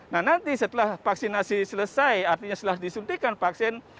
nah nanti setelah vaksinasi selesai artinya setelah disuntikan vaksin